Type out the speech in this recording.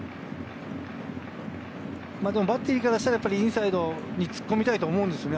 でもバッテリーからしたらやっぱりインサイドに突っ込みたいと思うんですよね。